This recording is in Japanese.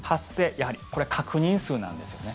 やはりこれ確認数なんですよね。